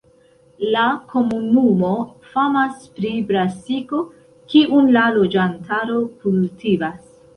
La komunumo famas pri brasiko, kiun la loĝantaro kultivas.